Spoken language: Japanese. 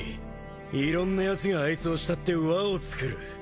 いろんなやつがあいつを慕って輪をつくる。